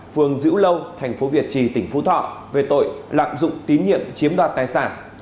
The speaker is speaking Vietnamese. phường dữ lâu thành phố việt trì tỉnh phú thọ về tội lạm dụng tín nhiệm chiếm đoạt tài sản